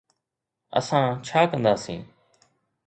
اسان ڇا ڪنداسين؟